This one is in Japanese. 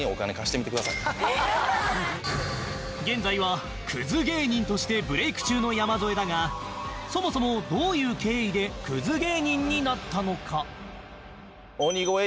現在はクズ芸人としてブレーク中の山添だがそもそもどういう経緯でクズ芸人になったのか？